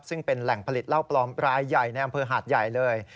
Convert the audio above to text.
ซึ่งเป็นแหล่งผลิตเหล้าปลอมรายใหญ่ในอำเภอหาดใหญ่เลย